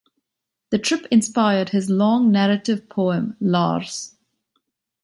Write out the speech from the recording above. The trip inspired his long narrative poem "Lars".